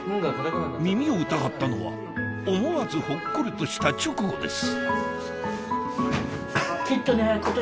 耳を疑ったのは思わずほっこりとした直後です